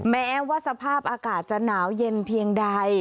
แม้ว่าสภาพอากาศจะหนาวเย็นเพียงใด